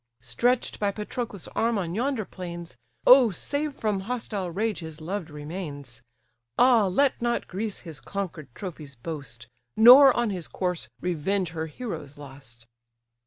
Stretch'd by Patroclus' arm on yonder plains, O save from hostile rage his loved remains! Ah let not Greece his conquer'd trophies boast, Nor on his corse revenge her heroes lost!"